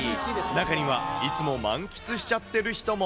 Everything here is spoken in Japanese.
中にはいつも満喫しちゃってる人も。